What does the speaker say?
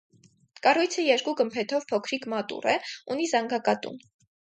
Կառույցը երկու գմբեթով փոքրիկ մատուռ է, ունի զանգակատուն։